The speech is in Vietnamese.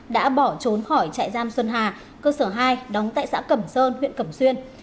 đã bỏ trốn khỏi trại giam xuân hà cơ sở hai đóng tại xã cẩm sơn huyện cẩm xuyên